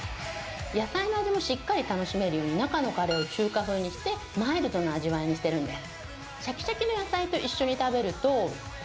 野菜の味もしっかり楽しめるように中のカレーを中華風にしてマイルドな味わいにしているんです。